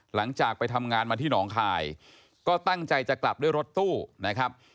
หลังจากไปทำงานมาที่หนองคายก็ตั้งใจจะกลับด้วยรถตู้นะครับ